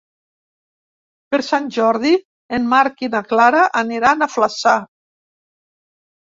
Per Sant Jordi en Marc i na Clara aniran a Flaçà.